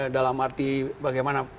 dalam arti bagaimana